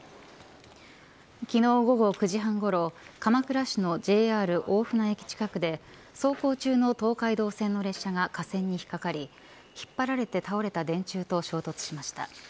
昨日午後９時半ごろ鎌倉市のＪＲ大船駅近くで走行中の東海道線の列車が架線に引っかかり引っ張られて倒れた電柱と衝突しました。